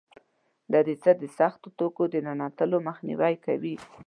دریڅه د سختو توکو د ننوتلو مخنیوی کوي.